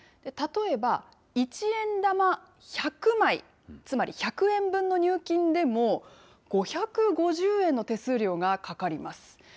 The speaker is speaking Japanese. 例えば一円玉１００枚、つまり１００円分の入金でも、５５０円の手数料がかかります。